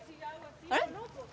あれ？